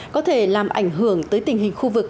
có thể làm ảnh hưởng tới tình hình khu vực